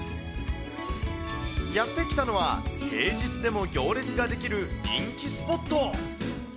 やって来たのは平日でも行列が出来る人気スポット。